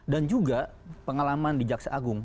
juga pengalaman di jaksa agung